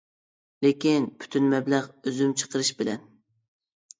لېكىن پۈتۈن مەبلەغ ئۆزۈم چىقىرىش بىلەن.